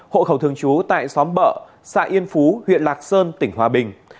hộ khẩu thường trú tại xóm bợ xã yên phú huyện lạc sơn tỉnh hòa bình